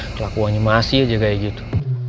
pelakunya masih aja kayak gitu